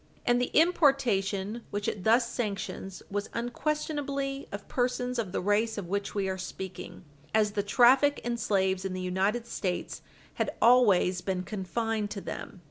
And the importation which it thus sanctions was unquestionably of persons of the race of which we are speaking, as the traffic in slaves in the United States had always been confined to them.